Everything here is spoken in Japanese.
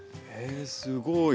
えすごい。